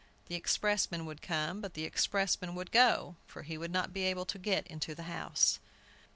The expressman would come, but the expressman would go, for he would not be able to get into the house!